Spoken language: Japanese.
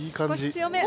少し強め。